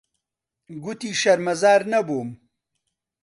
گوتی شەرمەزار نەبووم.